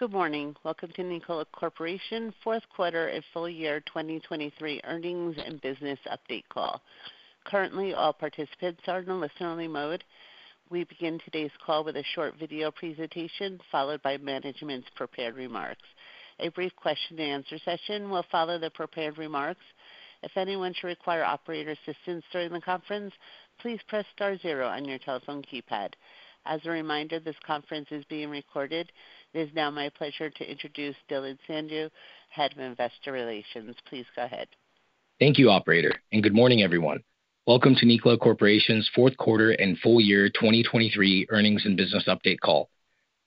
Good morning. Welcome to Nikola Corporation fourth quarter and full year 2023 earnings and business update call. Currently, all participants are in a listener-only mode. We begin today's call with a short video presentation followed by management's prepared remarks. A brief question-and-answer session will follow the prepared remarks. If anyone should require operator assistance during the conference, please press star zero on your telephone keypad. As a reminder, this conference is being recorded. It is now my pleasure to introduce Dhillon Sandhu, Head of Investor Relations. Please go ahead. Thank you, operator, and good morning, everyone. Welcome to Nikola Corporation's fourth quarter and full year 2023 earnings and business update call.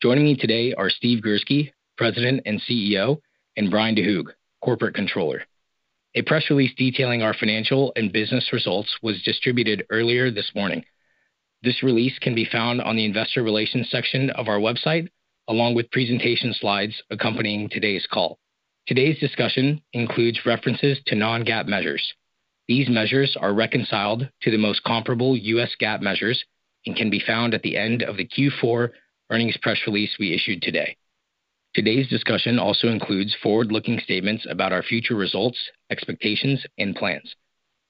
Joining me today are Steve Girsky, President and CEO, and Brian Deagneault, Corporate Controller. A press release detailing our financial and business results was distributed earlier this morning. This release can be found on the investor relations section of our website along with presentation slides accompanying today's call. Today's discussion includes references to non-GAAP measures. These measures are reconciled to the most comparable U.S. GAAP measures and can be found at the end of the Q4 earnings press release we issued today. Today's discussion also includes forward-looking statements about our future results, expectations, and plans.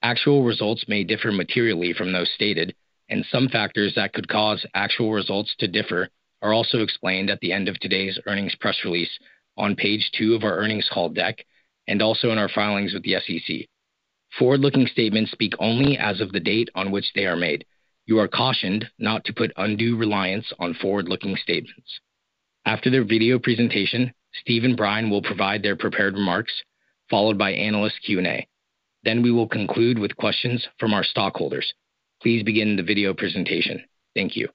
Actual results may differ materially from those stated, and some factors that could cause actual results to differ are also explained at the end of today's earnings press release on page 2 of our earnings call deck and also in our filings with the SEC. Forward-looking statements speak only as of the date on which they are made. You are cautioned not to put undue reliance on forward-looking statements. After their video presentation, Steve and Brian will provide their prepared remarks followed by analyst Q&A. Then we will conclude with questions from our stockholders. Please begin the video presentation. Thank you.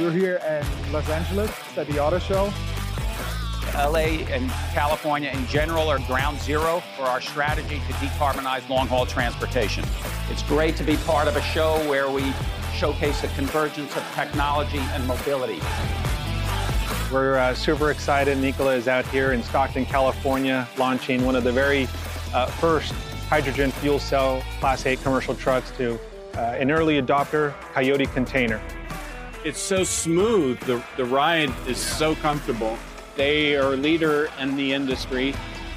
We're here in Los Angeles at the auto show. L.A. and California in general are ground zero for our strategy to decarbonize long-haul transportation. It's great to be part of a show where we showcase the convergence of technology and mobility. We're super excited Nikola is out here in Stockton, California, launching one of the very first hydrogen fuel cell Class 8 commercial trucks to an early adopter, Coyote Container. It's so smooth. The ride is so comfortable. They are a leader in the industry,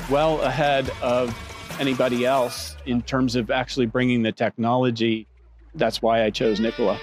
well ahead of anybody else in terms of actually bringing the technology. That's why I chose Nikola.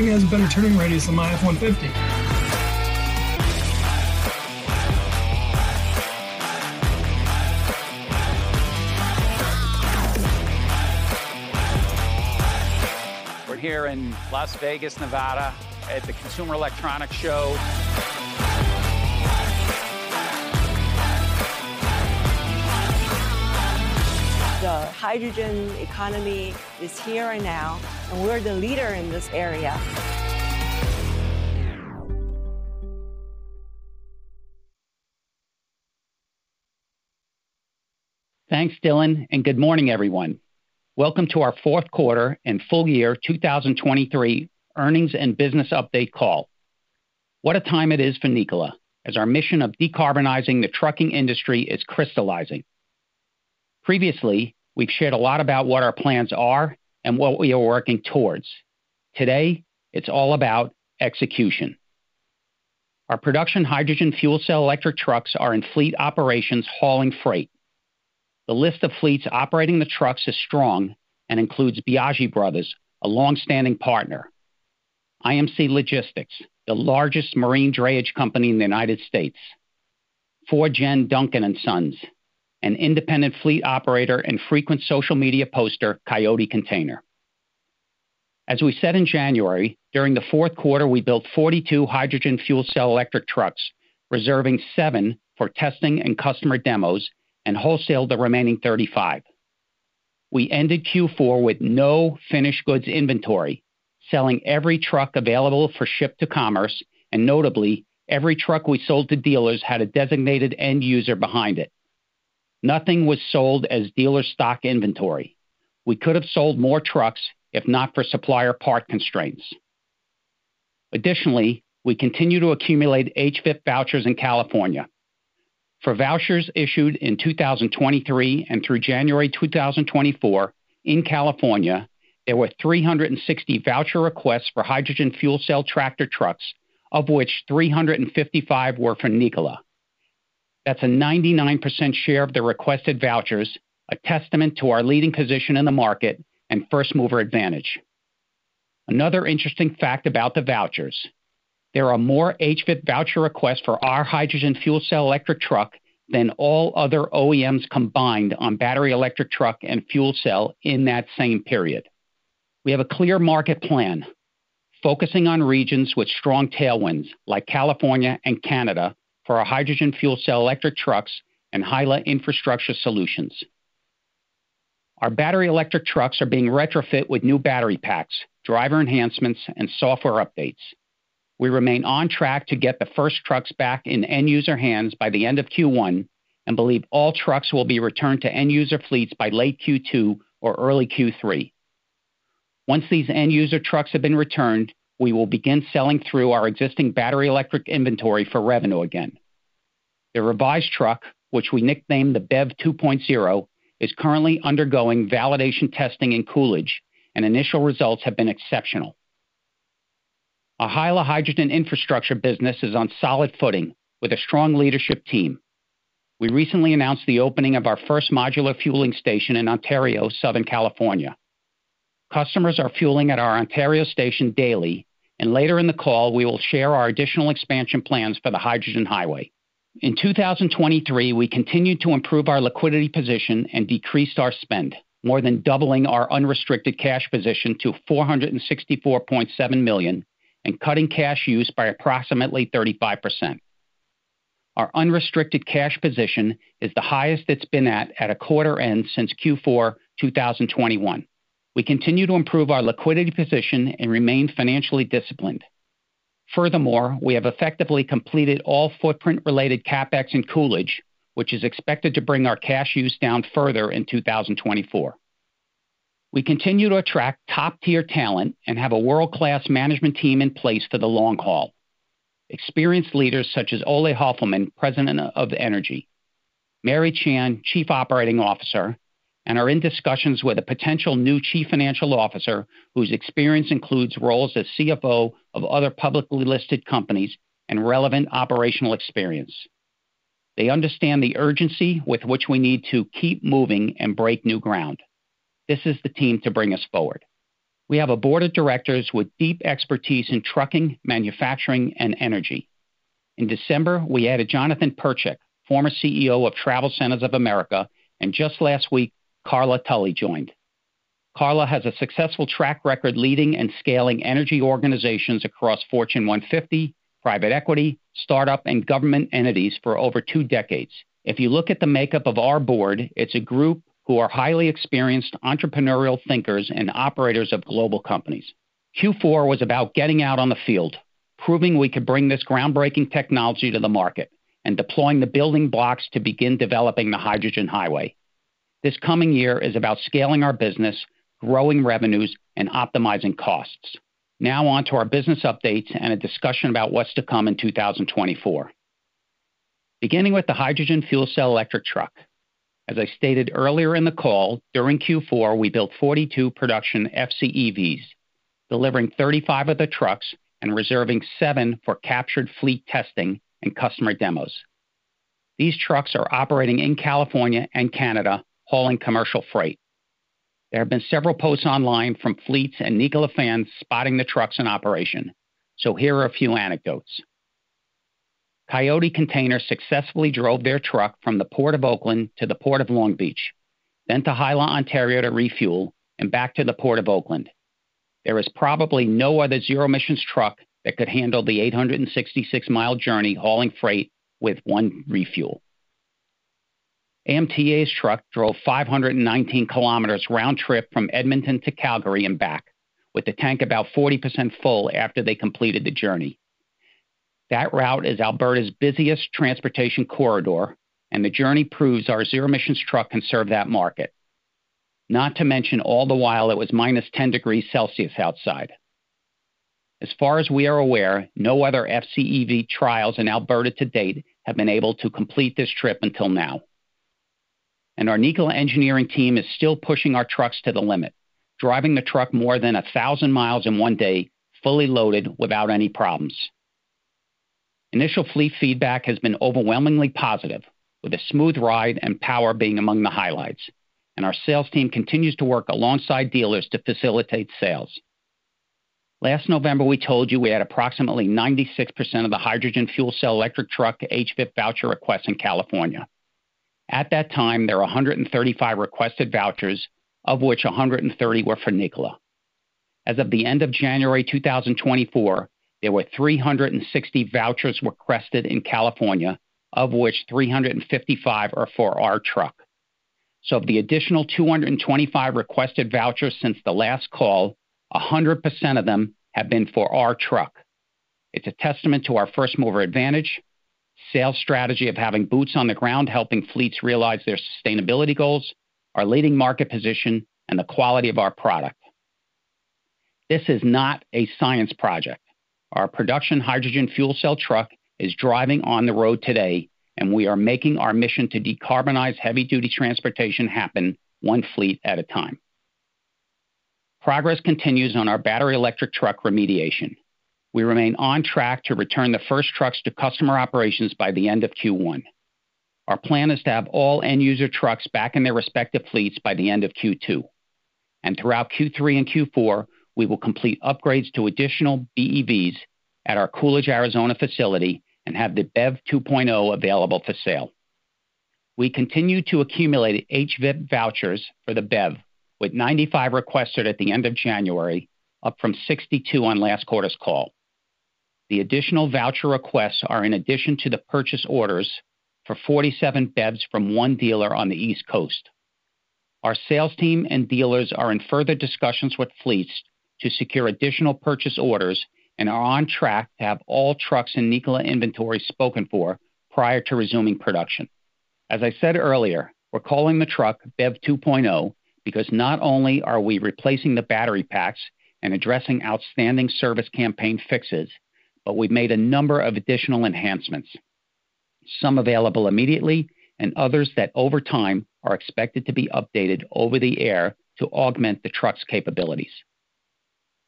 Whoa. This thing has a better turning radius than my F-150. We're here in Las Vegas, Nevada at the Consumer Electronics Show. The hydrogen economy is here and now, and we're the leader in this area. Thanks, Dhillon, and good morning, everyone. Welcome to our fourth quarter and full year 2023 earnings and business update call. What a time it is for Nikola as our mission of decarbonizing the trucking industry is crystallizing. Previously, we've shared a lot about what our plans are and what we are working towards. Today, it's all about execution. Our production hydrogen fuel cell electric trucks are in fleet operations hauling freight. The list of fleets operating the trucks is strong and includes Biagi Bros., a longstanding partner; IMC Logistics, the largest marine drayage company in the United States; 4 Gen Logistics, Duncan & Sons, an independent fleet operator and frequent social media poster, Coyote Container. As we said in January, during the fourth quarter, we built 42 hydrogen fuel cell electric trucks, reserving 7 for testing and customer demos, and wholesaled the remaining 35. We ended Q4 with no finished goods inventory, selling every truck available for ship to commerce, and notably, every truck we sold to dealers had a designated end user behind it. Nothing was sold as dealer stock inventory. We could have sold more trucks if not for supplier part constraints. Additionally, we continue to accumulate HVIP vouchers in California. For vouchers issued in 2023 and through January 2024 in California, there were 360 voucher requests for hydrogen fuel cell tractor trucks, of which 355 were for Nikola. That's a 99% share of the requested vouchers, a testament to our leading position in the market and first mover advantage. Another interesting fact about the vouchers: there are more HVIP voucher requests for our hydrogen fuel cell electric truck than all other OEMs combined on battery electric truck and fuel cell in that same period. We have a clear market plan focusing on regions with strong tailwinds like California and Canada for our hydrogen fuel cell electric trucks and HYLA infrastructure solutions. Our battery electric trucks are being retrofit with new battery packs, driver enhancements, and software updates. We remain on track to get the first trucks back in end user hands by the end of Q1 and believe all trucks will be returned to end user fleets by late Q2 or early Q3. Once these end user trucks have been returned, we will begin selling through our existing battery electric inventory for revenue again. The revised truck, which we nicknamed the BEV 2.0, is currently undergoing validation testing and Coolidge, and initial results have been exceptional. Our HYLA hydrogen infrastructure business is on solid footing with a strong leadership team. We recently announced the opening of our first modular fueling station in Ontario, Southern California. Customers are fueling at our Ontario station daily, and later in the call, we will share our additional expansion plans for the Hydrogen Highway. In 2023, we continued to improve our liquidity position and decreased our spend, more than doubling our unrestricted cash position to $464.7 million and cutting cash use by approximately 35%. Our unrestricted cash position is the highest it's been at a quarter end since Q4 2021. We continue to improve our liquidity position and remain financially disciplined. Furthermore, we have effectively completed all footprint-related CapEx and Coolidge, which is expected to bring our cash use down further in 2024. We continue to attract top-tier talent and have a world-class management team in place for the long haul: experienced leaders such as Ole Hoefelmann, President of Energy; Mary Chan, Chief Operating Officer; and are in discussions with a potential new Chief Financial Officer whose experience includes roles as CFO of other publicly listed companies and relevant operational experience. They understand the urgency with which we need to keep moving and break new ground. This is the team to bring us forward. We have a Board of Directors with deep expertise in trucking, manufacturing, and energy. In December, we added Jonathan Pertchik, former CEO of TravelCenters of America, and just last week, Carla Tully joined. Carla has a successful track record leading and scaling energy organizations across Fortune 150, private equity, startup, and government entities for over two decades. If you look at the makeup of our board, it's a group who are highly experienced entrepreneurial thinkers and operators of global companies. Q4 was about getting out on the field, proving we could bring this groundbreaking technology to the market, and deploying the building blocks to begin developing the hydrogen highway. This coming year is about scaling our business, growing revenues, and optimizing costs. Now on to our business updates and a discussion about what's to come in 2024. Beginning with the hydrogen fuel cell electric truck. As I stated earlier in the call, during Q4, we built 42 production FCEVs, delivering 35 of the trucks and reserving 7 for captured fleet testing and customer demos. These trucks are operating in California and Canada hauling commercial freight. There have been several posts online from fleets and Nikola fans spotting the trucks in operation, so here are a few anecdotes. Coyote Container successfully drove their truck from the Port of Oakland to the Port of Long Beach, then to HYLA Ontario to refuel, and back to the Port of Oakland. There is probably no other zero-emissions truck that could handle the 866-mile journey hauling freight with one refuel. AMTA's truck drove 519 km round trip from Edmonton to Calgary and back, with the tank about 40% full after they completed the journey. That route is Alberta's busiest transportation corridor, and the journey proves our zero-emissions truck can serve that market, not to mention all the while it was minus 10 degrees Celsius outside. As far as we are aware, no other FCEV trials in Alberta to date have been able to complete this trip until now. Our Nikola engineering team is still pushing our trucks to the limit, driving the truck more than 1,000 miles in one day fully loaded without any problems. Initial fleet feedback has been overwhelmingly positive, with a smooth ride and power being among the highlights, and our sales team continues to work alongside dealers to facilitate sales. Last November, we told you we had approximately 96% of the hydrogen fuel cell electric truck HVIP voucher requests in California. At that time, there were 135 requested vouchers, of which 130 were for Nikola. As of the end of January 2024, there were 360 vouchers requested in California, of which 355 are for our truck. Of the additional 225 requested vouchers since the last call, 100% of them have been for our truck. It's a testament to our first mover advantage, sales strategy of having boots on the ground helping fleets realize their sustainability goals, our leading market position, and the quality of our product. This is not a science project. Our production hydrogen fuel cell truck is driving on the road today, and we are making our mission to decarbonize heavy-duty transportation happen one fleet at a time. Progress continues on our battery electric truck remediation. We remain on track to return the first trucks to customer operations by the end of Q1. Our plan is to have all end user trucks back in their respective fleets by the end of Q2. Throughout Q3 and Q4, we will complete upgrades to additional BEVs at our Coolidge, Arizona facility and have the BEV 2.0 available for sale. We continue to accumulate HVIP vouchers for the BEV, with 95 requested at the end of January, up from 62 on last quarter's call. The additional voucher requests are in addition to the purchase orders for 47 BEVs from one dealer on the East Coast. Our sales team and dealers are in further discussions with fleets to secure additional purchase orders and are on track to have all trucks in Nikola inventory spoken for prior to resuming production. As I said earlier, we're calling the truck BEV 2.0 because not only are we replacing the battery packs and addressing outstanding service campaign fixes, but we've made a number of additional enhancements, some available immediately and others that over time are expected to be updated over the air to augment the truck's capabilities.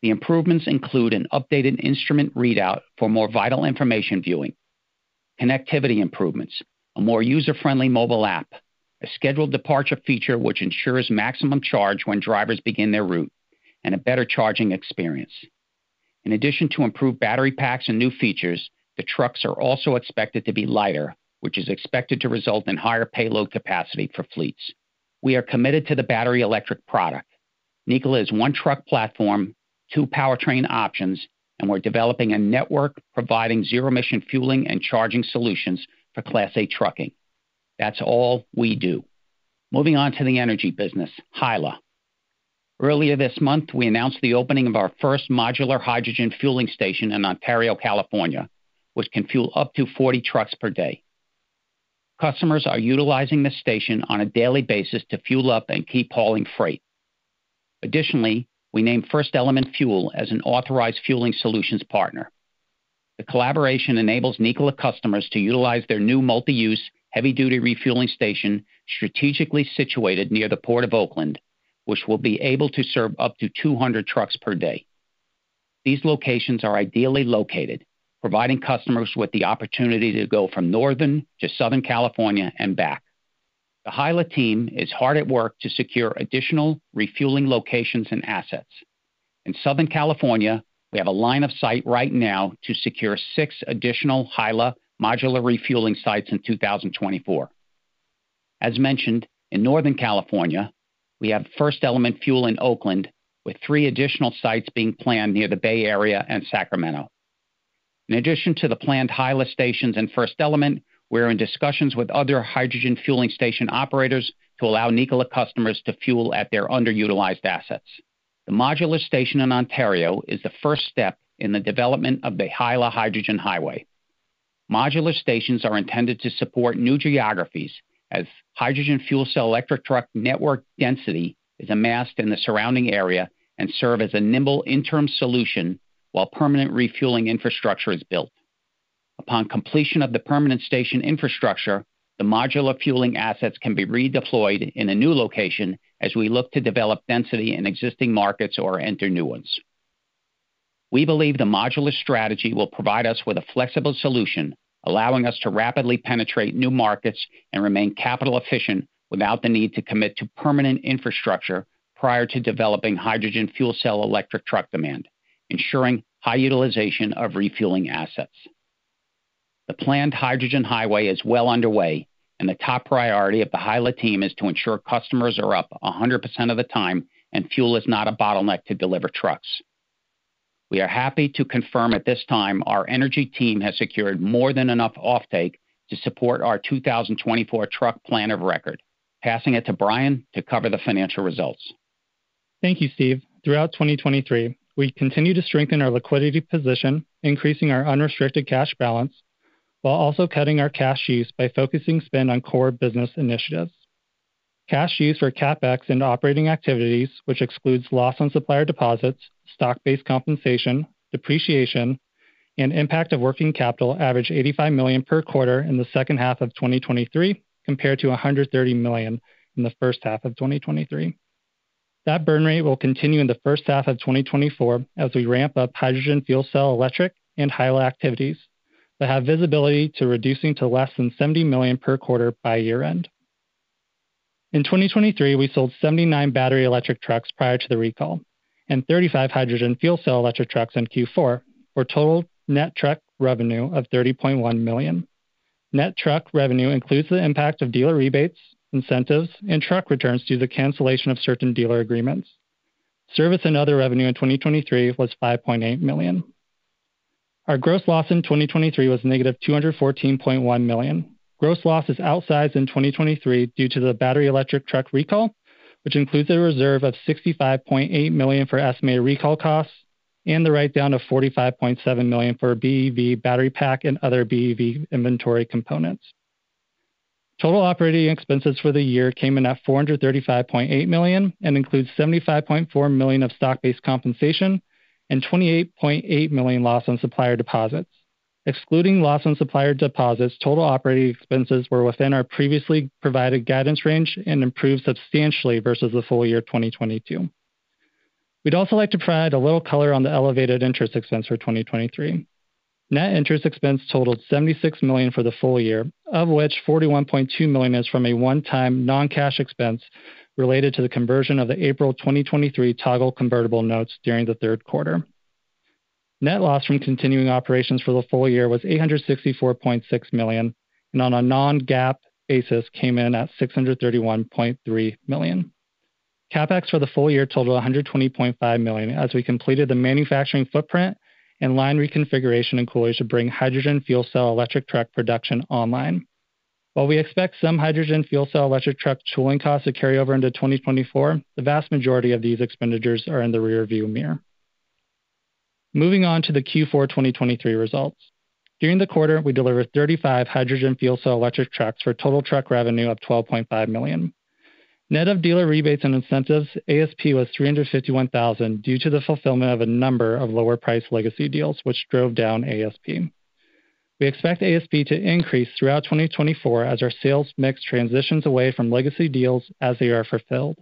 The improvements include an updated instrument readout for more vital information viewing, connectivity improvements, a more user-friendly mobile app, a scheduled departure feature which ensures maximum charge when drivers begin their route, and a better charging experience. In addition to improved battery packs and new features, the trucks are also expected to be lighter, which is expected to result in higher payload capacity for fleets. We are committed to the battery electric product. Nikola is one truck platform, two powertrain options, and we're developing a network providing zero-emission fueling and charging solutions for Class 8 trucking. That's all we do. Moving on to the energy business, HYLA. Earlier this month, we announced the opening of our first modular hydrogen fueling station in Ontario, California, which can fuel up to 40 trucks per day. Customers are utilizing this station on a daily basis to fuel up and keep hauling freight. Additionally, we named FirstElement Fuel as an authorized fueling solutions partner. The collaboration enables Nikola customers to utilize their new multi-use, heavy-duty refueling station strategically situated near the Port of Oakland, which will be able to serve up to 200 trucks per day. These locations are ideally located, providing customers with the opportunity to go from Northern to Southern California and back. The HYLA team is hard at work to secure additional refueling locations and assets. In Southern California, we have a line of sight right now to secure six additional HYLA modular refueling sites in 2024. As mentioned, in Northern California, we have FirstElement Fuel in Oakland, with three additional sites being planned near the Bay Area and Sacramento. In addition to the planned HYLA stations in FirstElement Fuel, we're in discussions with other hydrogen fueling station operators to allow Nikola customers to fuel at their underutilized assets. The modular station in Ontario is the first step in the development of the HYLA hydrogen highway. Modular stations are intended to support new geographies as hydrogen fuel cell electric truck network density is amassed in the surrounding area and serve as a nimble interim solution while permanent refueling infrastructure is built. Upon completion of the permanent station infrastructure, the modular fueling assets can be redeployed in a new location as we look to develop density in existing markets or enter new ones. We believe the modular strategy will provide us with a flexible solution allowing us to rapidly penetrate new markets and remain capital efficient without the need to commit to permanent infrastructure prior to developing hydrogen fuel cell electric truck demand, ensuring high utilization of refueling assets. The planned hydrogen highway is well underway, and the top priority of the HYLA team is to ensure customers are up 100% of the time and fuel is not a bottleneck to deliver trucks. We are happy to confirm at this time our energy team has secured more than enough offtake to support our 2024 truck plan of record. Passing it to Brian to cover the financial results. Thank you, Steve. Throughout 2023, we continue to strengthen our liquidity position, increasing our unrestricted cash balance while also cutting our cash use by focusing spend on core business initiatives. Cash use for CapEx and operating activities, which excludes loss on supplier deposits, stock-based compensation, depreciation, and impact of working capital, averaged $85 million per quarter in the second half of 2023 compared to $130 million in the first half of 2023. That burn rate will continue in the first half of 2024 as we ramp up hydrogen fuel cell electric and HYLA activities that have visibility to reducing to less than $70 million per quarter by year-end. In 2023, we sold 79 battery electric trucks prior to the recall, and 35 hydrogen fuel cell electric trucks in Q4 for total net truck revenue of $30.1 million. Net truck revenue includes the impact of dealer rebates, incentives, and truck returns due to the cancellation of certain dealer agreements. Service and other revenue in 2023 was $5.8 million. Our gross loss in 2023 was negative $214.1 million. Gross loss is outsized in 2023 due to the battery electric truck recall, which includes a reserve of $65.8 million for estimated recall costs and the write-down of $45.7 million for BEV battery pack and other BEV inventory components. Total operating expenses for the year came in at $435.8 million and include $75.4 million of stock-based compensation and $28.8 million loss on supplier deposits. Excluding loss on supplier deposits, total operating expenses were within our previously provided guidance range and improved substantially versus the full year 2022. We'd also like to provide a little color on the elevated interest expense for 2023. Net interest expense totaled $76 million for the full year, of which $41.2 million is from a one-time non-cash expense related to the conversion of the April 2023 toggle convertible notes during the third quarter. Net loss from continuing operations for the full year was $864.6 million, and on a non-GAAP basis came in at $631.3 million. Capex for the full year totaled $120.5 million as we completed the manufacturing footprint and line reconfiguration in Coolidge to bring hydrogen fuel cell electric truck production online. While we expect some hydrogen fuel cell electric truck tooling costs to carry over into 2024, the vast majority of these expenditures are in the rearview mirror. Moving on to the Q4 2023 results. During the quarter, we delivered 35 hydrogen fuel cell electric trucks for total truck revenue of $12.5 million. Net of dealer rebates and incentives, ASP was $351,000 due to the fulfillment of a number of lower-priced legacy deals, which drove down ASP. We expect ASP to increase throughout 2024 as our sales mix transitions away from legacy deals as they are fulfilled.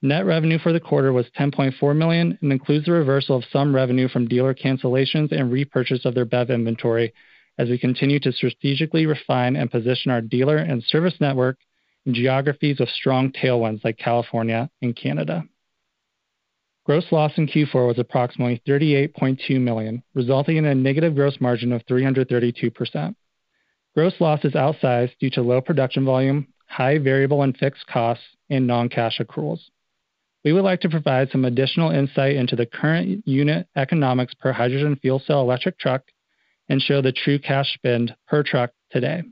Net revenue for the quarter was $10.4 million and includes the reversal of some revenue from dealer cancellations and repurchase of their BEV inventory as we continue to strategically refine and position our dealer and service network in geographies with strong tailwinds like California and Canada. Gross loss in Q4 was approximately $38.2 million, resulting in a negative gross margin of 332%. Gross loss is outsized due to low production volume, high variable and fixed costs, and non-cash accruals. We would like to provide some additional insight into the current unit economics per hydrogen fuel cell electric truck and show the true cash spend per truck today.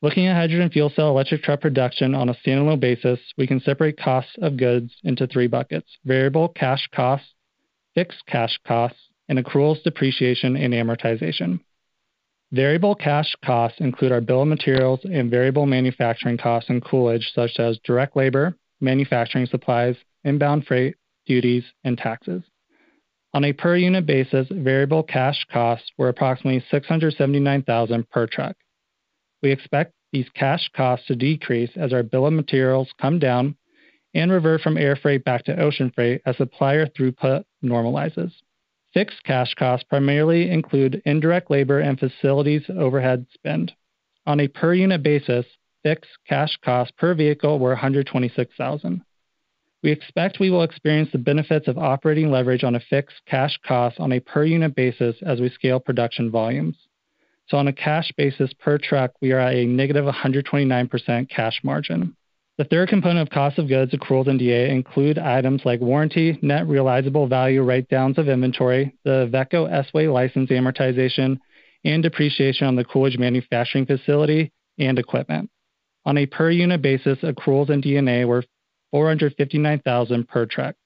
Looking at hydrogen fuel cell electric truck production on a standalone basis, we can separate costs of goods into three buckets: variable cash costs, fixed cash costs, and accruals, depreciation, and amortization. Variable cash costs include our bill of materials and variable manufacturing costs in Coolidge, such as direct labor, manufacturing supplies, inbound freight, duties, and taxes. On a per-unit basis, variable cash costs were approximately $679,000 per truck. We expect these cash costs to decrease as our bill of materials come down and revert from air freight back to ocean freight as supplier throughput normalizes. Fixed cash costs primarily include indirect labor and facilities overhead spend. On a per-unit basis, fixed cash costs per vehicle were $126,000. We expect we will experience the benefits of operating leverage on a fixed cash cost on a per-unit basis as we scale production volumes. So on a cash basis per truck, we are at a negative 129% cash margin. The third component of cost of goods, accruals and D&A include items like warranty, net realizable value write-downs of inventory, the Iveco S-Way license amortization, and depreciation on the Coolidge manufacturing facility and equipment. On a per-unit basis, accruals and D&A were $459,000 per truck,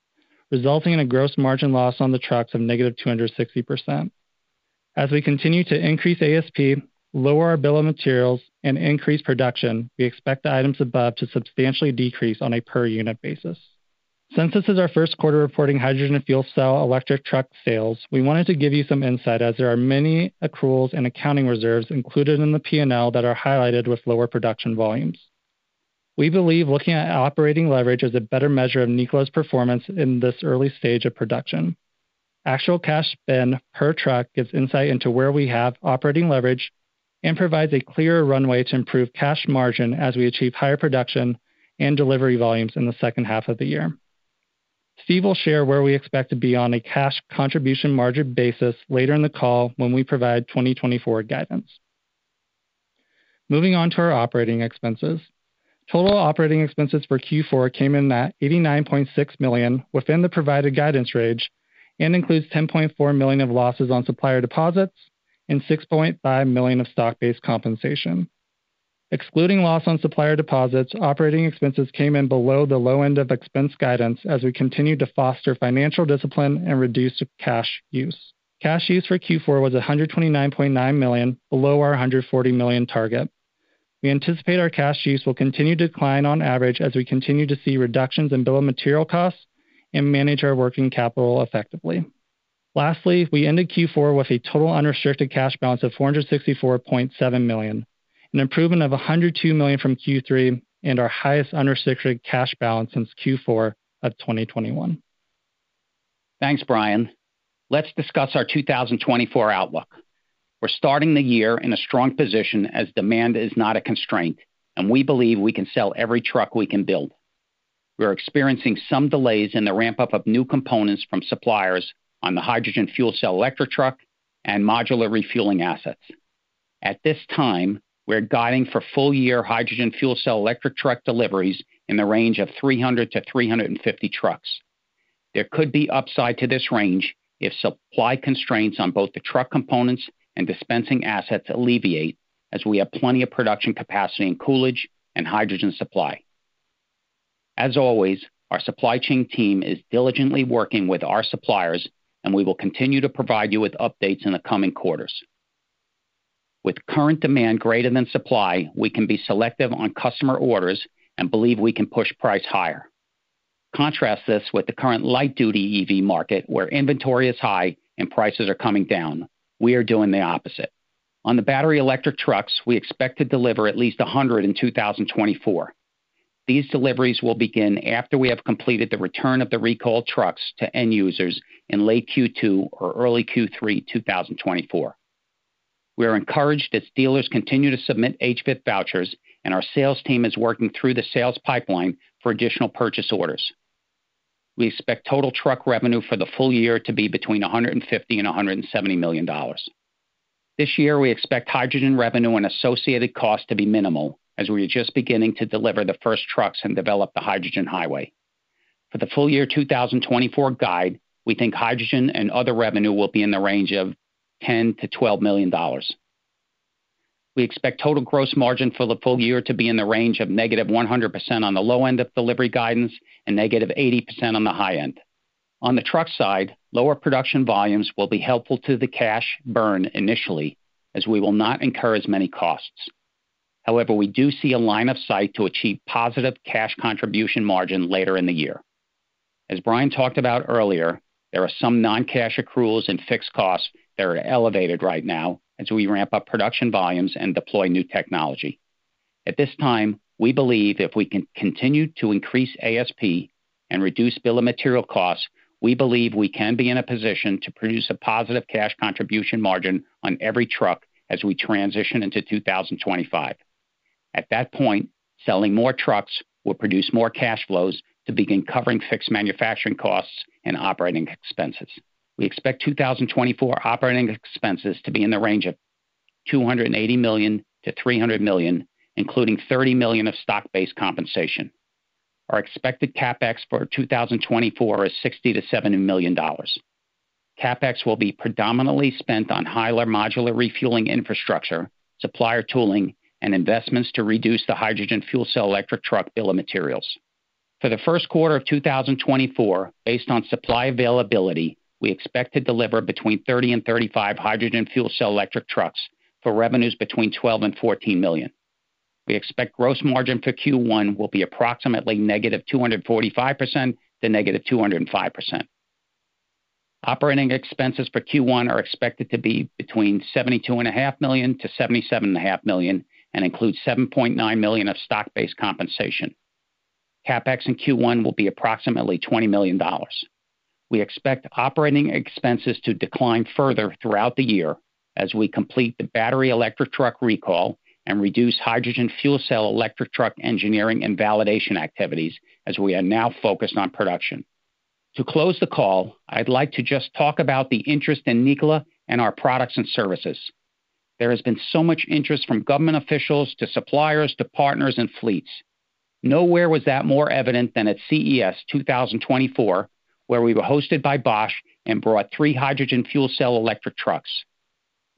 resulting in a gross margin loss on the trucks of negative 260%. As we continue to increase ASP, lower our bill of materials, and increase production, we expect the items above to substantially decrease on a per-unit basis. Since this is our first quarter reporting hydrogen fuel cell electric truck sales, we wanted to give you some insight as there are many accruals and accounting reserves included in the P&L that are highlighted with lower production volumes. We believe looking at operating leverage is a better measure of Nikola's performance in this early stage of production. Actual cash spend per truck gives insight into where we have operating leverage and provides a clearer runway to improve cash margin as we achieve higher production and delivery volumes in the second half of the year. Steve will share where we expect to be on a cash contribution margin basis later in the call when we provide 2024 guidance. Moving on to our operating expenses. Total operating expenses for Q4 came in at $89.6 million within the provided guidance range and includes $10.4 million of losses on supplier deposits and $6.5 million of stock-based compensation. Excluding loss on supplier deposits, operating expenses came in below the low end of expense guidance as we continue to foster financial discipline and reduce cash use. Cash use for Q4 was $129.9 million, below our $140 million target. We anticipate our cash use will continue to decline on average as we continue to see reductions in bill of material costs and manage our working capital effectively. Lastly, we ended Q4 with a total unrestricted cash balance of $464.7 million, an improvement of $102 million from Q3 and our highest unrestricted cash balance since Q4 of 2021. Thanks, Brian. Let's discuss our 2024 outlook. We're starting the year in a strong position as demand is not a constraint, and we believe we can sell every truck we can build. We're experiencing some delays in the ramp-up of new components from suppliers on the hydrogen fuel cell electric truck and modular refueling assets. At this time, we're guiding for full-year hydrogen fuel cell electric truck deliveries in the range of 300-350 trucks. There could be upside to this range if supply constraints on both the truck components and dispensing assets alleviate as we have plenty of production capacity in Coolidge and hydrogen supply. As always, our supply chain team is diligently working with our suppliers, and we will continue to provide you with updates in the coming quarters. With current demand greater than supply, we can be selective on customer orders and believe we can push price higher. Contrast this with the current light-duty EV market where inventory is high and prices are coming down. We are doing the opposite. On the battery electric trucks, we expect to deliver at least 100 in 2024. These deliveries will begin after we have completed the return of the recalled trucks to end users in late Q2 or early Q3 2024. We are encouraged as dealers continue to submit HVIP vouchers, and our sales team is working through the sales pipeline for additional purchase orders. We expect total truck revenue for the full year to be between $150 million and $170 million. This year, we expect hydrogen revenue and associated costs to be minimal as we are just beginning to deliver the first trucks and develop the hydrogen highway. For the full year 2024 guide, we think hydrogen and other revenue will be in the range of $10 million-$12 million. We expect total gross margin for the full year to be in the range of -100% on the low end of delivery guidance and -80% on the high end. On the truck side, lower production volumes will be helpful to the cash burn initially as we will not incur as many costs. However, we do see a line of sight to achieve positive cash contribution margin later in the year. As Brian talked about earlier, there are some non-cash accruals and fixed costs that are elevated right now as we ramp up production volumes and deploy new technology. At this time, we believe if we can continue to increase ASP and reduce bill of material costs, we believe we can be in a position to produce a positive cash contribution margin on every truck as we transition into 2025. At that point, selling more trucks will produce more cash flows to begin covering fixed manufacturing costs and operating expenses. We expect 2024 operating expenses to be in the range of $280 million-$300 million, including $30 million of stock-based compensation. Our expected CapEx for 2024 is $60 million-$70 million. CapEx will be predominantly spent on higher modular refueling infrastructure, supplier tooling, and investments to reduce the hydrogen fuel cell electric truck bill of materials. For the first quarter of 2024, based on supply availability, we expect to deliver between 30 and 35 hydrogen fuel cell electric trucks for revenues between $12 million and $14 million. We expect gross margin for Q1 will be approximately -245% to -205%. Operating expenses for Q1 are expected to be between $72.5 million to $77.5 million and include $7.9 million of stock-based compensation. CapEx in Q1 will be approximately $20 million. We expect operating expenses to decline further throughout the year as we complete the battery electric truck recall and reduce hydrogen fuel cell electric truck engineering and validation activities as we are now focused on production. To close the call, I'd like to just talk about the interest in Nikola and our products and services. There has been so much interest from government officials to suppliers to partners and fleets. Nowhere was that more evident than at CES 2024, where we were hosted by Bosch and brought treeh hydrogen fuel cell electric trucks.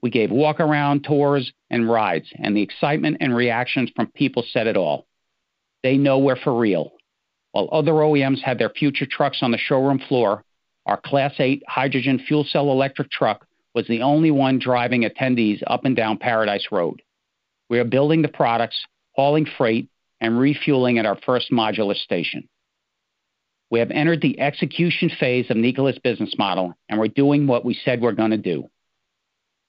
We gave walk-around tours and rides, and the excitement and reactions from people said it all. They know we're for real. While other OEMs had their future trucks on the showroom floor, our Class 8 hydrogen fuel cell electric truck was the only one driving attendees up and down Paradise Road. We are building the products, hauling freight, and refueling at our first modular station. We have entered the execution phase of Nikola's business model, and we're doing what we said we're going to do.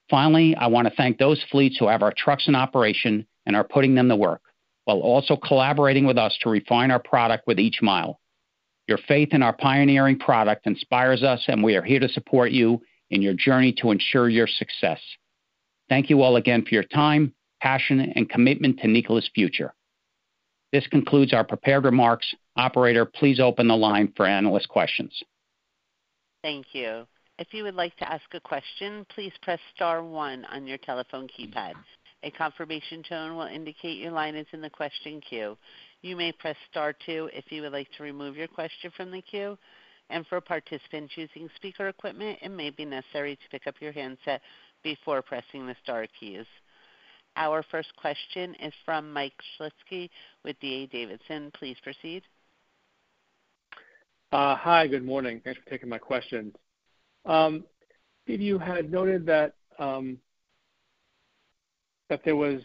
Finally, I want to thank those fleets who have our trucks in operation and are putting them to work while also collaborating with us to refine our product with each mile. Your faith in our pioneering product inspires us, and we are here to support you in your journey to ensure your success. Thank you all again for your time, passion, and commitment to Nikola's future. This concludes our prepared remarks. Operator, please open the line for analyst questions. Thank you. If you would like to ask a question, please press star one on your telephone keypad. A confirmation tone will indicate your line is in the question queue. You may press star two if you would like to remove your question from the queue. For participants using speaker equipment, it may be necessary to pick up your handset before pressing the star keys. Our first question is from Mike Shlisky with D.A. Davidson. Please proceed. Hi, good morning. Thanks for taking my question. Steve, you had noted that there were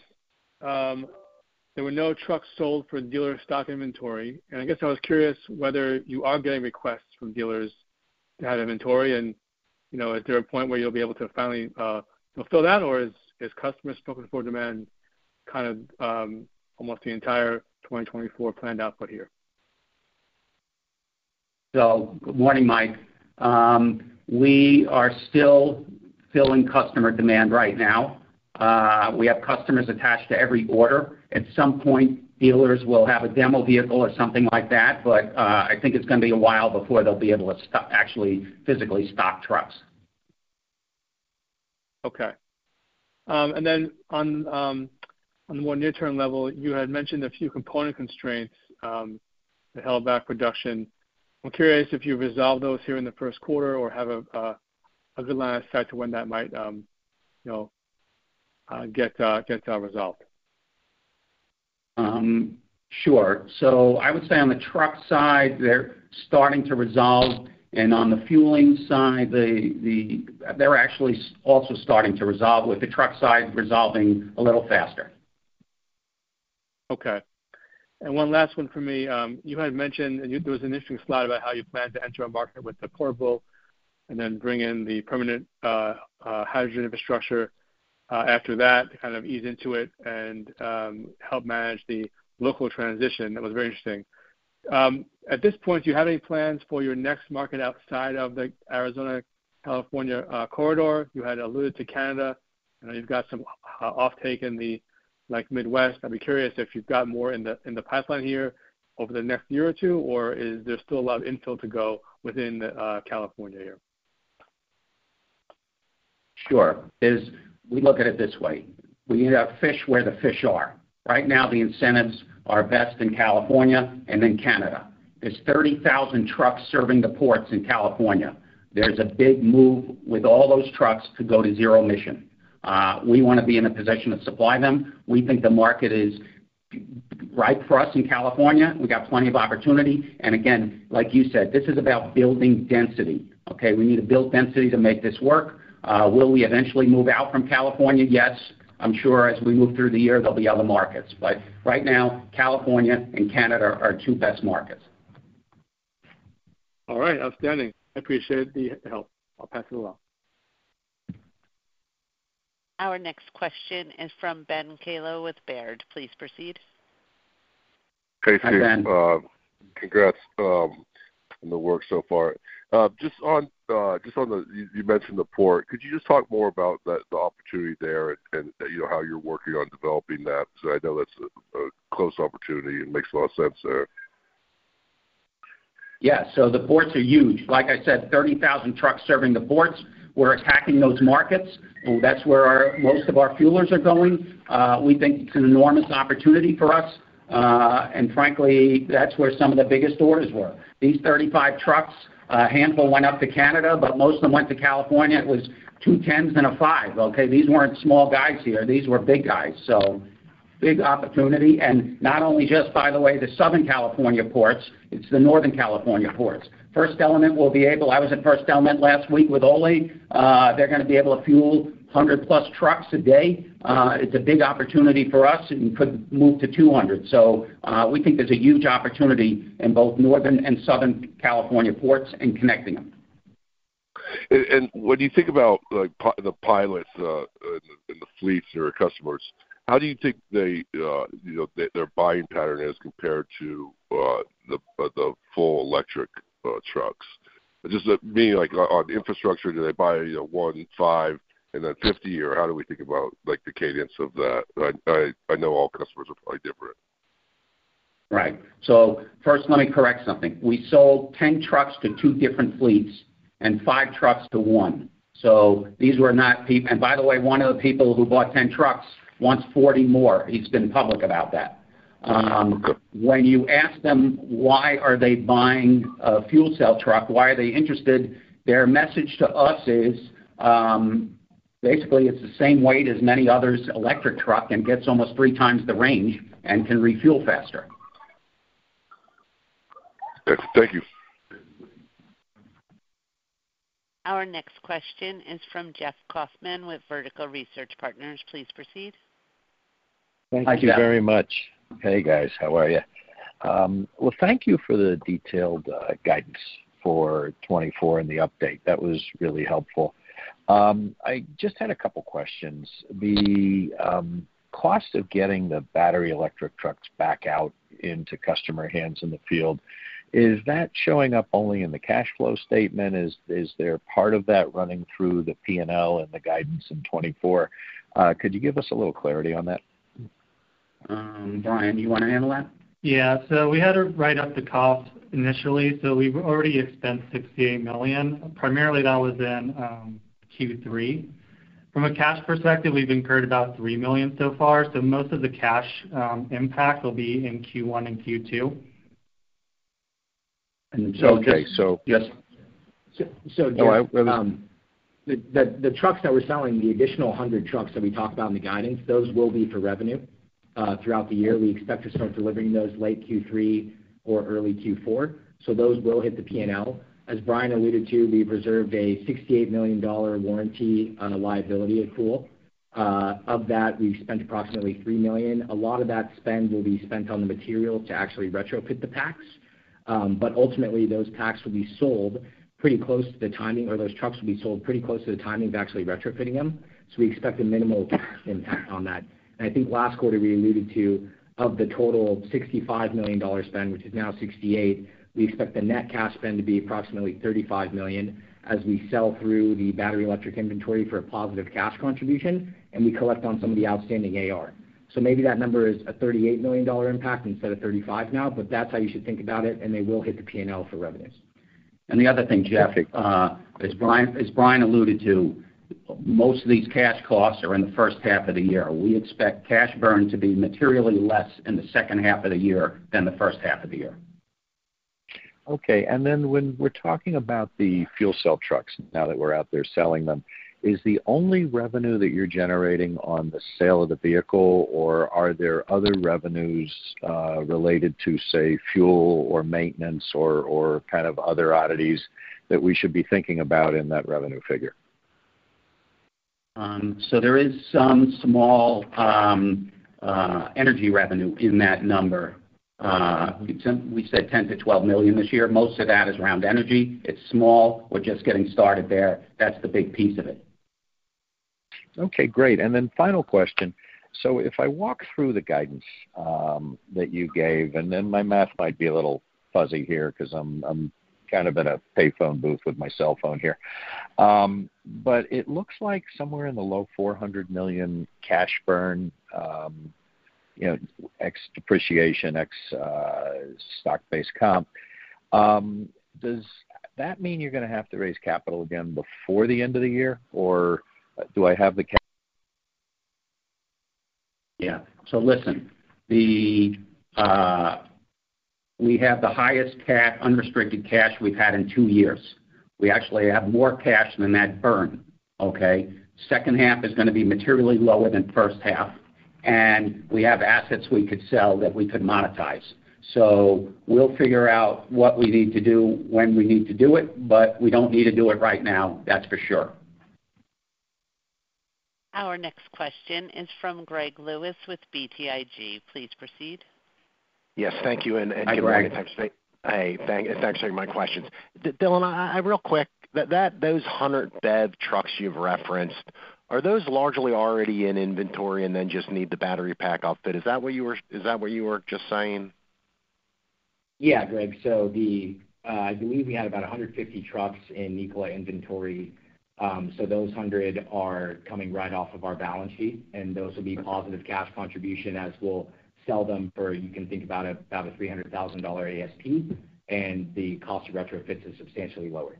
no trucks sold for dealer stock inventory. I guess I was curious whether you are getting requests from dealers to have inventory, and is there a point where you'll be able to finally fill that, or is customers focused for demand kind of almost the entire 2024 planned output here? Good morning, Mike. We are still filling customer demand right now. We have customers attached to every order. At some point, dealers will have a demo vehicle or something like that, but I think it's going to be a while before they'll be able to actually physically stock trucks. Okay. And then on the more near-term level, you had mentioned a few component constraints that held back production. I'm curious if you resolved those here in the first quarter or have a good line of sight to when that might get resolved? Sure. I would say on the truck side, they're starting to resolve, and on the fueling side, they're actually also starting to resolve with the truck side resolving a little faster. Okay. And one last one for me. You had mentioned there was an interesting slide about how you plan to enter a market with the modular build and then bring in the permanent hydrogen infrastructure after that to kind of ease into it and help manage the local transition. That was very interesting. At this point, do you have any plans for your next market outside of the Arizona-California corridor? You had alluded to Canada. I know you've got some offtake in the Midwest. I'd be curious if you've got more in the pipeline here over the next year or two, or is there still a lot of infill to go within California here? Sure. We look at it this way. We end up fish where the fish are. Right now, the incentives are best in California and then Canada. There's 30,000 trucks serving the ports in California. There's a big move with all those trucks to go to zero emission. We want to be in a position to supply them. We think the market is right for us in California. We got plenty of opportunity. And again, like you said, this is about building density, okay? We need to build density to make this work. Will we eventually move out from California? Yes. I'm sure as we move through the year, there'll be other markets. But right now, California and Canada are two best markets. All right. Outstanding. I appreciate the help. I'll pass it along. Our next question is from Ben Kallo with Baird. Please proceed. Hey, Steve. Congrats on the work so far. Just on the you mentioned the port. Could you just talk more about the opportunity there and how you're working on developing that? Because I know that's a close opportunity and makes a lot of sense there. Yeah. So the ports are huge. Like I said, 30,000 trucks serving the ports. We're attacking those markets. That's where most of our fuelers are going. We think it's an enormous opportunity for us. And frankly, that's where some of the biggest orders were. These 35 trucks, a handful went up to Canada, but most of them went to California. It was two 10s and a 5, okay? These weren't small guys here. These were big guys. So big opportunity. And not only just, by the way, the Southern California ports, it's the Northern California ports. FirstElement Fuel will be able. I was at FirstElement Fuel last week with Ole. They're going to be able to fuel 100+ trucks a day. It's a big opportunity for us and could move to 200. So we think there's a huge opportunity in both Northern and Southern California ports and connecting them. When you think about the pilots and the fleets or customers, how do you think their buying pattern is compared to the full electric trucks? Just meaning on infrastructure, do they buy one, five, and then 50, or how do we think about the cadence of that? I know all customers are probably different. Right. So first, let me correct something. We sold 10 trucks to two different fleets and 5 trucks to one. So these were not, and by the way, one of the people who bought 10 trucks wants 40 more. He's been public about that. When you ask them why are they buying a fuel cell truck, why are they interested, their message to us is basically, it's the same weight as many others' electric truck and gets almost 3 times the range and can refuel faster. Thank you. Our next question is from Jeffrey Kauffman with Vertical Research Partners. Please proceed. Thank you very much. Hey, guys. How are you? Well, thank you for the detailed guidance for 2024 and the update. That was really helpful. I just had a couple of questions. The cost of getting the battery electric trucks back out into customer hands in the field, is that showing up only in the cash flow statement? Is there part of that running through the P&L and the guidance in 2024? Could you give us a little clarity on that? Brian, do you want to handle that? Yeah. So we had to write up the cost initially. So we've already expensed $68 million. Primarily, that was in Q3. From a cash perspective, we've incurred about $3 million so far. So most of the cash impact will be in Q1 and Q2. And so just. Okay. So. Yes? So just. Oh, I was. The trucks that we're selling, the additional 100 trucks that we talked about in the guidance, those will be for revenue throughout the year. We expect to start delivering those late Q3 or early Q4. So those will hit the P&L. As Brian alluded to, we've reserved a $68 million warranty liability accrual. Of that, we've spent approximately $3 million. A lot of that spend will be spent on the materials to actually retrofit the packs. But ultimately, those packs will be sold pretty close to the timing or those trucks will be sold pretty close to the timing of actually retrofitting them. So we expect a minimal cash impact on that. I think last quarter, we alluded to, of the total $65 million spend, which is now $68 million, we expect the net cash spend to be approximately $35 million as we sell through the battery electric inventory for a positive cash contribution, and we collect on some of the outstanding AR. So maybe that number is a $38 million impact instead of $35 million now, but that's how you should think about it, and they will hit the P&L for revenues. And the other thing, Jeff, as Brian alluded to, most of these cash costs are in the first half of the year. We expect cash burn to be materially less in the second half of the year than the first half of the year. Okay. And then when we're talking about the fuel cell trucks, now that we're out there selling them, is the only revenue that you're generating on the sale of the vehicle, or are there other revenues related to, say, fuel or maintenance or kind of other oddities that we should be thinking about in that revenue figure? So there is some small energy revenue in that number. We said $10 million-$12 million this year. Most of that is around energy. It's small. We're just getting started there. That's the big piece of it. Okay. Great. And then final question. So if I walk through the guidance that you gave and then my math might be a little fuzzy here because I'm kind of in a payphone booth with my cell phone here. But it looks like somewhere in the low $400 million cash burn, ex-depreciation, ex-stock-based comp. Does that mean you're going to have to raise capital again before the end of the year, or do I have the cash? Yeah. So listen, we have the highest unrestricted cash we've had in two years. We actually have more cash than that burn, okay? Second half is going to be materially lower than first half. And we have assets we could sell that we could monetize. So we'll figure out what we need to do when we need to do it, but we don't need to do it right now, that's for sure. Our next question is from Greg Lewis with BTIG. Please proceed. Yes. Thank you. Good morning. Hi, Greg. Thanks for taking my questions. Dhillon, real quick, those 100 BEV trucks you've referenced, are those largely already in inventory and then just need the battery pack outfit? Is that what you were just saying? Yeah, Greg. So I believe we had about 150 trucks in Nikola inventory. So those 100 are coming right off of our balance sheet, and those will be positive cash contribution as we'll sell them for, you can think about, about a $300,000 ASP, and the cost of retrofits is substantially lower.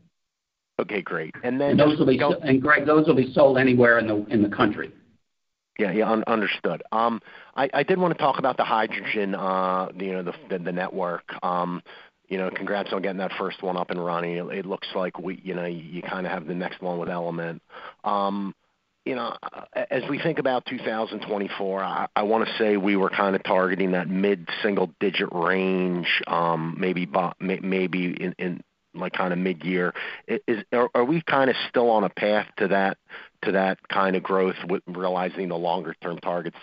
Okay. Great. And then. Greg, those will be sold anywhere in the country. Yeah. Yeah. Understood. I did want to talk about the hydrogen, the network. Congrats on getting that first one up and running. It looks like you kind of have the next one with Element. As we think about 2024, I want to say we were kind of targeting that mid-single-digit range, maybe in kind of mid-year. Are we kind of still on a path to that kind of growth realizing the longer-term target's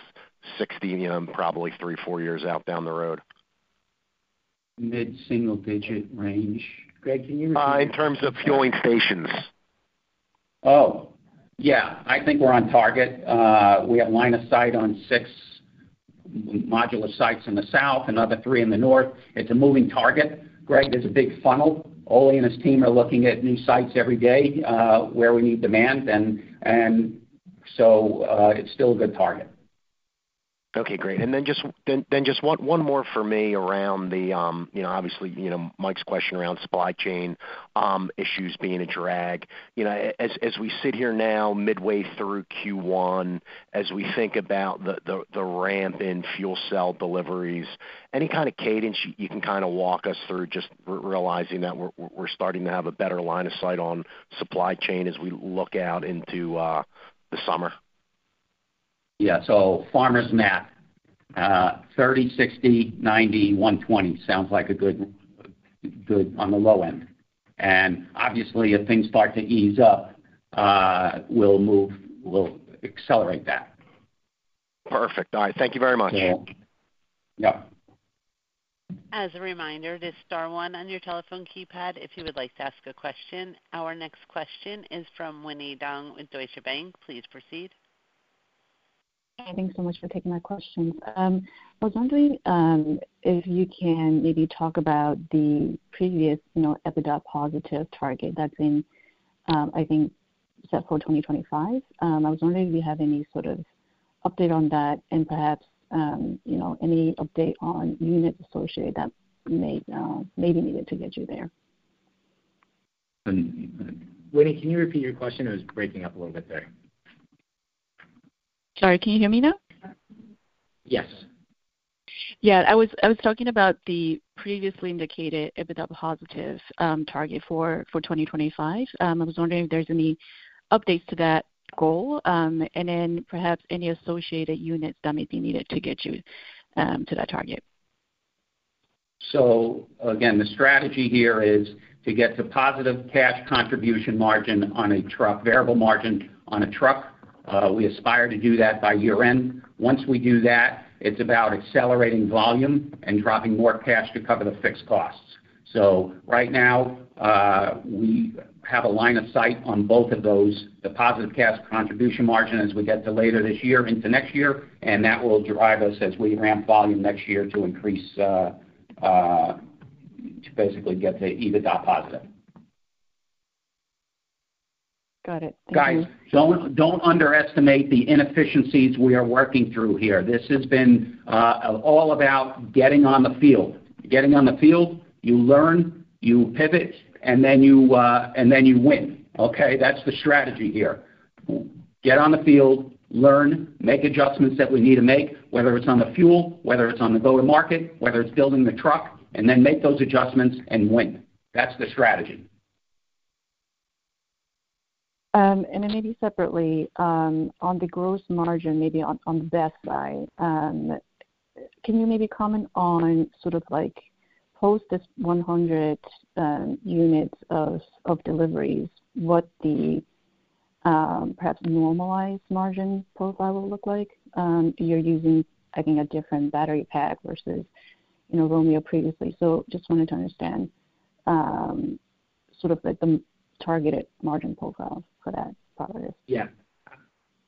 60, probably three, four years out down the road? Mid-single-digit range. Greg, can you repeat that? In terms of fueling stations. Oh. Yeah. I think we're on target. We have line of sight on six modular sites in the south, another three in the north. It's a moving target, Greg. There's a big funnel. Ole and his team are looking at new sites every day where we need demand, and so it's still a good target. Okay. Great. And then just one more for me around the obviously, Mike's question around supply chain issues being a drag. As we sit here now midway through Q1, as we think about the ramp-in fuel cell deliveries, any kind of cadence you can kind of walk us through just realizing that we're starting to have a better line of sight on supply chain as we look out into the summer? Yeah. So farmer's math, 30, 60, 90, 120 sounds like a good on the low end. And obviously, if things start to ease up, we'll accelerate that. Perfect. All right. Thank you very much. Yeah. Yep. As a reminder, this is Star One on your telephone keypad if you would like to ask a question. Our next question is from Winnie Dong with Deutsche Bank. Please proceed. Hi. Thanks so much for taking my questions. I was wondering if you can maybe talk about the previous EBITDA positive target that's in, I think, set for 2025. I was wondering if you have any sort of update on that and perhaps any update on units associated that may be needed to get you there. Winnie, can you repeat your question? It was breaking up a little bit there. Sorry. Can you hear me now? Yes. Yeah. I was talking about the previously indicated EBITDA positive target for 2025. I was wondering if there's any updates to that goal and then perhaps any associated units that may be needed to get you to that target. So again, the strategy here is to get to positive cash contribution margin on a truck, variable margin on a truck. We aspire to do that by year-end. Once we do that, it's about accelerating volume and dropping more cash to cover the fixed costs. So right now, we have a line of sight on both of those, the positive cash contribution margin as we get to later this year into next year, and that will drive us as we ramp volume next year to increase to basically get to EBITDA positive. Got it. Thank you. Guys, don't underestimate the inefficiencies we are working through here. This has been all about getting on the field. Getting on the field, you learn, you pivot, and then you win, okay? That's the strategy here. Get on the field, learn, make adjustments that we need to make, whether it's on the fuel, whether it's on the go-to-market, whether it's building the truck, and then make those adjustments and win. That's the strategy. And then maybe separately, on the gross margin, maybe on the BEV side, can you maybe comment on sort of post this 100 units of deliveries, what the perhaps normalized margin profile will look like? You're using, I think, a different battery pack versus Romeo previously. So just wanted to understand sort of the targeted margin profile for that product. Yeah.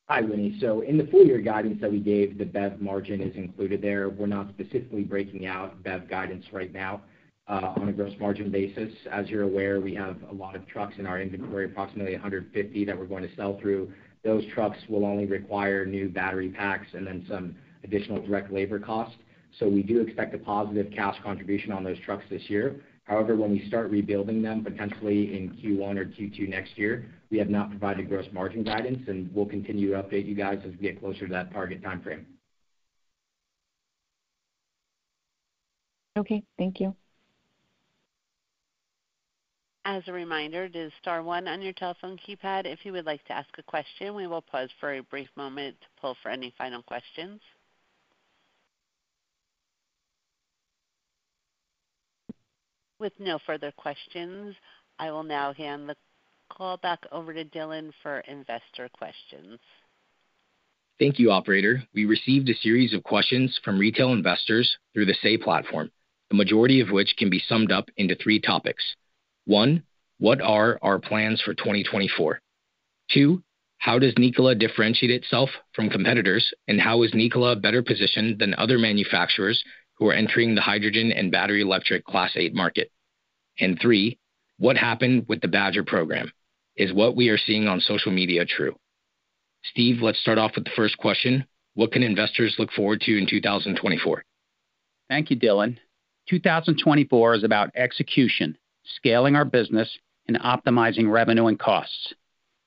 Hi, Winnie. So in the full-year guidance that we gave, the BEV margin is included there. We're not specifically breaking out BEV guidance right now on a gross margin basis. As you're aware, we have a lot of trucks in our inventory, approximately 150, that we're going to sell through. Those trucks will only require new battery packs and then some additional direct labor cost. So we do expect a positive cash contribution on those trucks this year. However, when we start rebuilding them, potentially in Q1 or Q2 next year, we have not provided gross margin guidance, and we'll continue to update you guys as we get closer to that target timeframe. Okay. Thank you. As a reminder, this is star one on your telephone keypad. If you would like to ask a question, we will pause for a brief moment to pull for any final questions. With no further questions, I will now hand the call back over to Dhillon for investor questions. Thank you, operator. We received a series of questions from retail investors through the SAY platform, the majority of which can be summed up into three topics. One, what are our plans for 2024? Two, how does Nikola differentiate itself from competitors, and how is Nikola better positioned than other manufacturers who are entering the hydrogen and battery electric Class 8 market? And three, what happened with the Badger program? Is what we are seeing on social media true? Steve, let's start off with the first question. What can investors look forward to in 2024? Thank you, Dhillon. 2024 is about execution, scaling our business, and optimizing revenue and costs.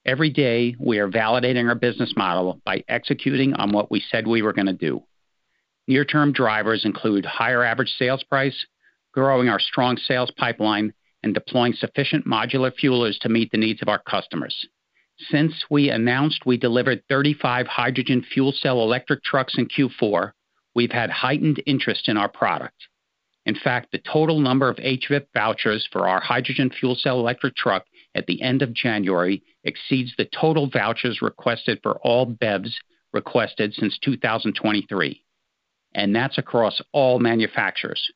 Every day, we are validating our business model by executing on what we said we were going to do. Near-term drivers include higher average sales price, growing our strong sales pipeline, and deploying sufficient modular fuelers to meet the needs of our customers. Since we announced we delivered 35 hydrogen fuel cell electric trucks in Q4, we've had heightened interest in our product. In fact, the total number of HVIP vouchers for our hydrogen fuel cell electric truck at the end of January exceeds the total vouchers requested for all BEVs requested since 2023, and that's across all manufacturers.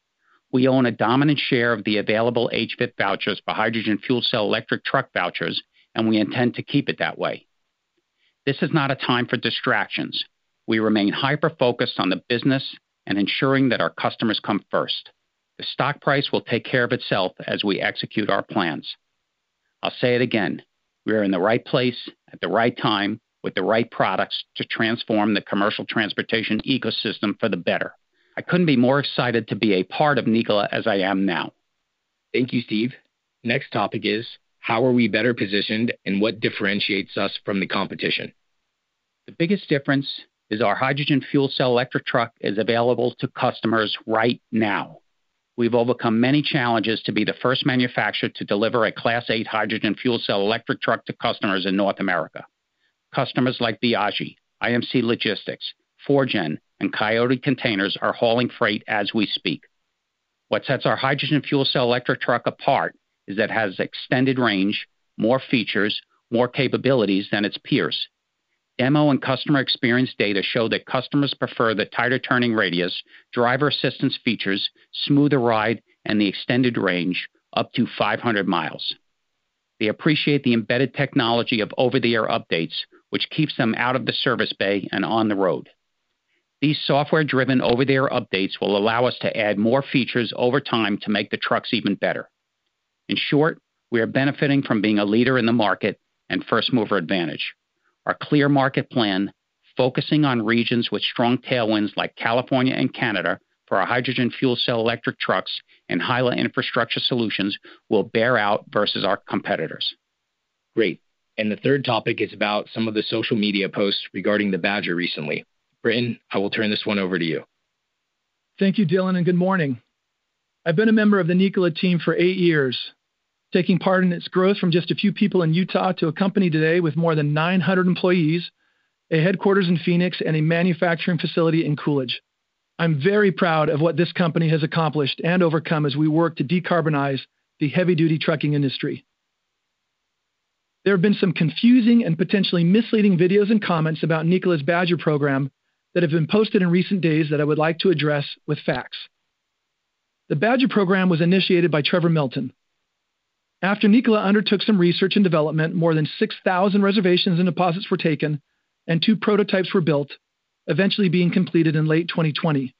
We own a dominant share of the available HVIP vouchers for hydrogen fuel cell electric truck vouchers, and we intend to keep it that way. This is not a time for distractions. We remain hyper-focused on the business and ensuring that our customers come first. The stock price will take care of itself as we execute our plans. I'll say it again. We are in the right place at the right time with the right products to transform the commercial transportation ecosystem for the better. I couldn't be more excited to be a part of Nikola as I am now. Thank you, Steve. Next topic is how are we better positioned and what differentiates us from the competition? The biggest difference is our hydrogen fuel cell electric truck is available to customers right now. We've overcome many challenges to be the first manufacturer to deliver a Class 8 hydrogen fuel cell electric truck to customers in North America. Customers like Biagi, IMC Logistics, 4Gen, and Coyote Container are hauling freight as we speak. What sets our hydrogen fuel cell electric truck apart is that it has extended range, more features, more capabilities than its peers. Demo and customer experience data show that customers prefer the tighter turning radius, driver assistance features, smoother ride, and the extended range up to 500 miles. They appreciate the embedded technology of over-the-air updates, which keeps them out of the service bay and on the road. These software-driven over-the-air updates will allow us to add more features over time to make the trucks even better. In short, we are benefiting from being a leader in the market and first-mover advantage. Our clear market plan, focusing on regions with strong tailwinds like California and Canada for our hydrogen fuel cell electric trucks and HYLA infrastructure solutions, will bear out versus our competitors. Great. The third topic is about some of the social media posts regarding the Badger recently. Britton, I will turn this one over to you. Thank you, Dhillon, and good morning. I've been a member of the Nikola team for eight years, taking part in its growth from just a few people in Utah to a company today with more than 900 employees, a headquarters in Phoenix, and a manufacturing facility in Coolidge. I'm very proud of what this company has accomplished and overcome as we work to decarbonize the heavy-duty trucking industry. There have been some confusing and potentially misleading videos and comments about Nikola's Badger program that have been posted in recent days that I would like to address with facts. The Badger program was initiated by Trevor Milton. After Nikola undertook some research and development, more than 6,000 reservations and deposits were taken, and two prototypes were built, eventually being completed in late 2020.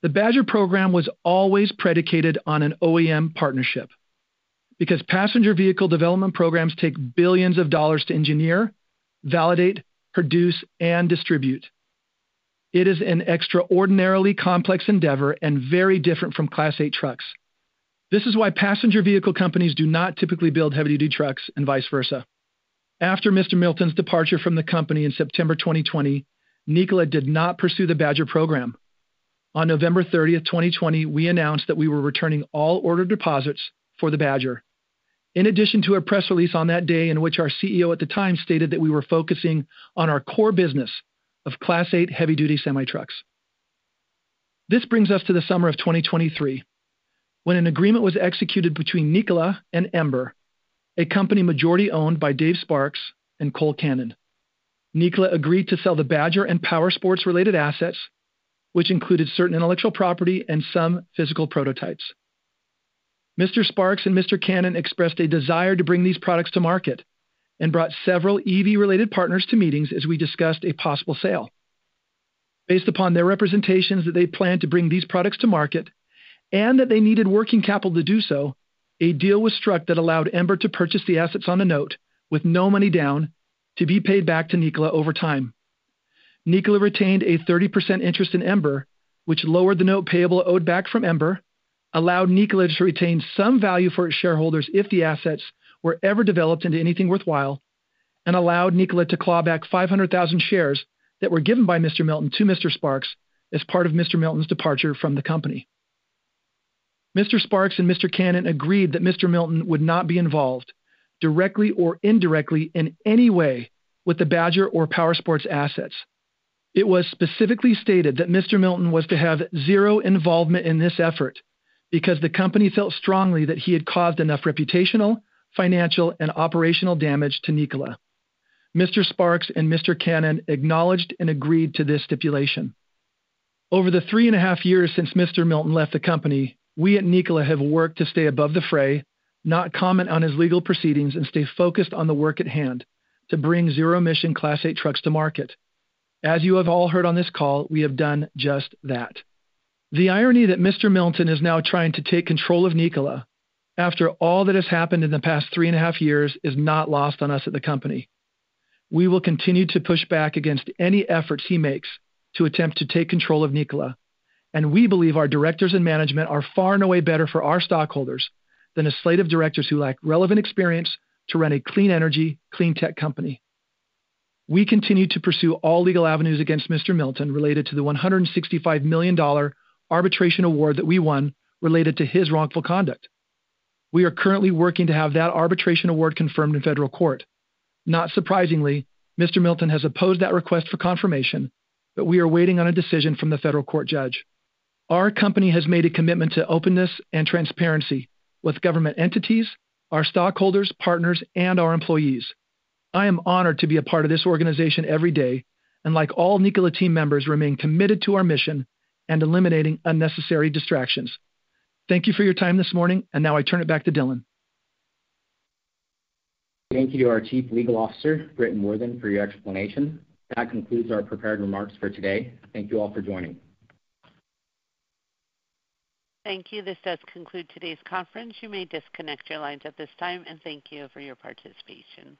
The Badger program was always predicated on an OEM partnership because passenger vehicle development programs take billions of dollars to engineer, validate, produce, and distribute. It is an extraordinarily complex endeavor and very different from Class 8 trucks. This is why passenger vehicle companies do not typically build heavy-duty trucks and vice versa. After Mr. Milton's departure from the company in September 2020, Nikola did not pursue the Badger program. On November 30th, 2020, we announced that we were returning all ordered deposits for the Badger, in addition to a press release on that day in which our CEO at the time stated that we were focusing on our core business of Class 8 heavy-duty semi-trucks. This brings us to the summer of 2023 when an agreement was executed between Nikola and Ember, a company majority owned by Dave Sparks and Cole Cannon. Nikola agreed to sell the Badger and powersports-related assets, which included certain intellectual property and some physical prototypes. Mr. Sparks and Mr. Cannon expressed a desire to bring these products to market and brought several EV-related partners to meetings as we discussed a possible sale. Based upon their representations that they planned to bring these products to market and that they needed working capital to do so, a deal was struck that allowed Ember to purchase the assets on a note with no money down to be paid back to Nikola over time. Nikola retained a 30% interest in Ember, which lowered the note payable owed back from Ember, allowed Nikola to retain some value for its shareholders if the assets were ever developed into anything worthwhile, and allowed Nikola to claw back 500,000 shares that were given by Mr. Milton to Mr. Sparks as part of Mr. Milton's departure from the company. Mr. Sparks and Mr. Cannon agreed that Mr. Milton would not be involved directly or indirectly in any way with the Badger or powersports assets. It was specifically stated that Mr. Milton was to have zero involvement in this effort because the company felt strongly that he had caused enough reputational, financial, and operational damage to Nikola. Mr. Sparks and Mr. Cannon acknowledged and agreed to this stipulation. Over the three and a half years since Mr. Milton left the company, we at Nikola have worked to stay above the fray, not comment on his legal proceedings, and stay focused on the work at hand to bring zero-emission Class 8 trucks to market. As you have all heard on this call, we have done just that. The irony that Mr. Milton is now trying to take control of Nikola after all that has happened in the past three and a half years, is not lost on us at the company. We will continue to push back against any efforts he makes to attempt to take control of Nikola, and we believe our directors and management are far and away better for our stockholders than a slate of directors who lack relevant experience to run a clean energy, clean tech company. We continue to pursue all legal avenues against Mr. Milton related to the $165 million arbitration award that we won related to his wrongful conduct. We are currently working to have that arbitration award confirmed in federal court. Not surprisingly, Mr. Milton has opposed that request for confirmation, but we are waiting on a decision from the federal court judge. Our company has made a commitment to openness and transparency with government entities, our stockholders, partners, and our employees. I am honored to be a part of this organization every day and, like all Nikola team members, remain committed to our mission and eliminating unnecessary distractions. Thank you for your time this morning, and now I turn it back to Dhillon. Thank you to our Chief Legal Officer, Britton Worthen, for your explanation. That concludes our prepared remarks for today. Thank you all for joining. Thank you. This does conclude today's conference. You may disconnect your lines at this time, and thank you for your participation.